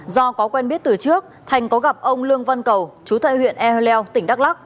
do có quen biết từ trước thành có gặp ông lương văn cầu chú tại huyện ehleu tỉnh đắk lắc